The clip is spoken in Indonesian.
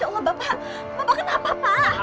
ya allah bapak bapak kenapa pak